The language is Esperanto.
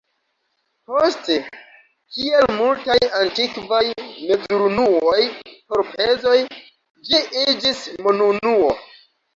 Poste, kiel multaj antikvaj mezurunuoj por pezoj, ĝi iĝis monunuo.